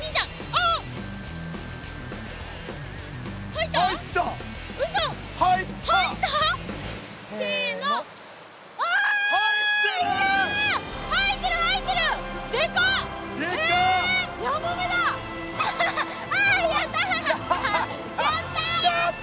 あやった！